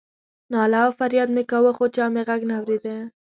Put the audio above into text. ناله او فریاد مې کاوه خو چا مې غږ نه اورېده.